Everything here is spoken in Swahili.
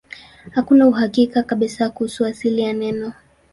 Hakuna uhakika kabisa kuhusu asili ya neno.